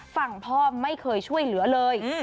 ฝั่งพ่อไม่เคยช่วยเหลือเลย